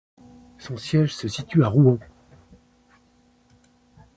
Son siège se situe à Rouen.